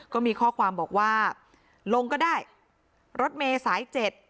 ก็มีข้อความบอกว่าลงก็ได้รถเมย์สายเจ็ด